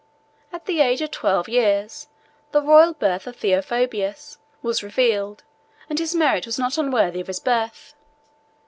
At the age of twelve years, the royal birth of Theophobus was revealed, and his merit was not unworthy of his birth.